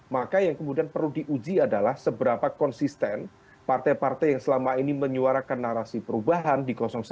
maka yang kemudian perlu diuji adalah seberapa konsisten partai partai yang selama ini menyuarakan narasi perubahan di satu